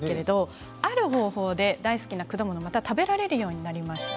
ある方法で大好きな果物が食べられるようになりました。